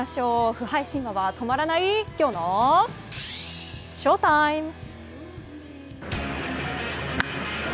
不敗神話が止まらないきょうのＳＨＯＴＩＭＥ。